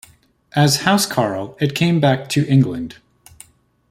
As "housecarl", it came back to England.